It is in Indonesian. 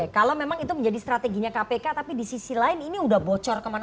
kalau memang itu menjadi strateginya kpk tapi di sisi lain ini sudah bocor kemana mana